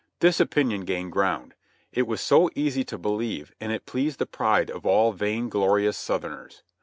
CAMP NO CAMP 71 This opinion gained ground. It was so easy to believe, and it pleased the pride of all vain glorious Southerners.